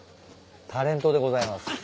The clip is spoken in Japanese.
タレントでございます。